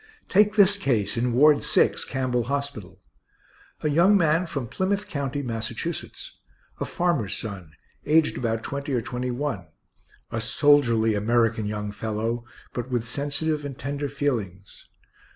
Take this case in Ward 6, Campbell hospital: a young man from Plymouth county, Massachusetts; a farmer's son, aged about twenty or twenty one; a soldierly, American young fellow, but with sensitive and tender feelings.